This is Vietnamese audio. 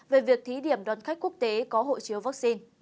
về việc thí điểm đoàn khách quốc tế có hộ chiếu vaccine